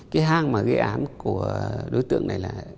cái hang mà gây án của đối tượng này là